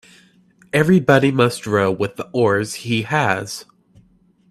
Everybody must row with the oars he has.